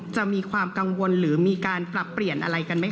จะมีความกังวลหรือมีการปรับเปลี่ยนอะไรกันไหมค